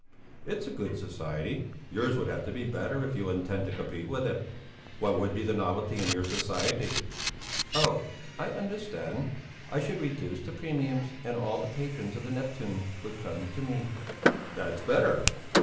It's a good society. Yours would have to be better if you intend to compete with it. What would be the novelty in your society?" "Oh! I understand! I should reduce the premiums and all the patrons of the 'Neptune' would come to me." "That's better!